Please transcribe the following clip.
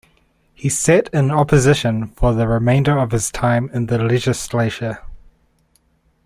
He sat in opposition for the remainder of his time in the legislature.